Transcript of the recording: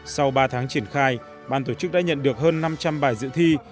sau ba tháng triển khai ban tổ chức đã nhận được hơn năm trăm linh bài dự thi